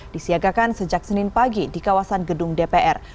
disiagakan sejak senin pagi di kawasan gedung dpr